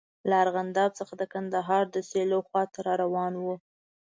له ارغنداب څخه د کندهار د سیلو خواته را روان وو.